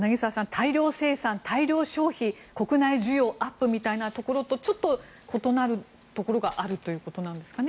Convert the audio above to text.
大量生産、大量消費国内需要アップみたいなところとちょっと異なるところがあるということなんですかね。